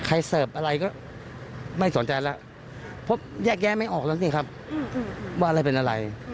เสิร์ฟอะไรก็ไม่สนใจแล้วเพราะแยกแยะไม่ออกแล้วสิครับว่าอะไรเป็นอะไร